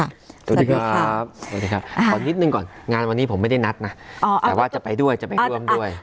สวัสดีครับสวัสดีครับขอนิดหนึ่งก่อนงานวันนี้ผมไม่ได้นัดนะแต่ว่าจะไปด้วยจะไปร่วมด้วย